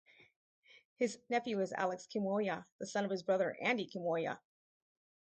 His nephew is Alex Kiwomya, the son of his brother Andy Kiwomya.